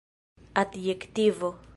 adjektivo